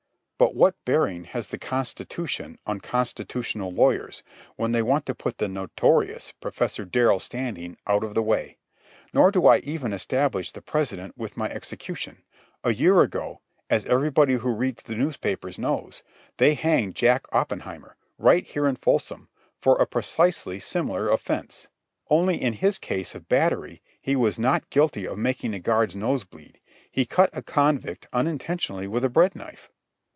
But what bearing has the Constitution on constitutional lawyers when they want to put the notorious Professor Darrell Standing out of the way? Nor do I even establish the precedent with my execution. A year ago, as everybody who reads the newspapers knows, they hanged Jake Oppenheimer, right here in Folsom, for a precisely similar offence ... only, in his case of battery, he was not guilty of making a guard's nose bleed. He cut a convict unintentionally with a bread knife.